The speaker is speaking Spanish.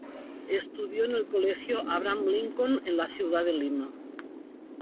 Estudió en el colegio Abraham Lincoln de la ciudad de Lima.